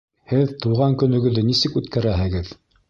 Һеҙ тыуған көнөгөҙҙө нисек үткәрәһегеҙ?